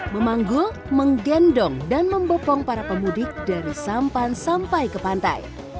memanggul menggendong dan membopong para pemudik dari sampan sampai ke pantai